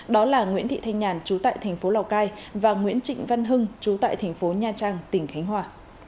đó là nguyễn thị thanh nhàn trú tại tp lào cai và nguyễn trịnh văn hưng trú tại tp nha trang tỉnh khánh hòa